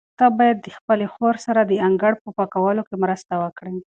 ته باید د خپلې خور سره د انګړ په پاکولو کې مرسته وکړې.